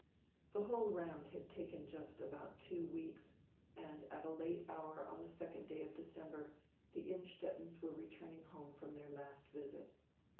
The whole round had taken just about two weeks, and at a late hour on tire second day of December tire Innstet tens were returning home from their last visit.